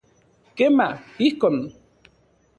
Kema, ijkon.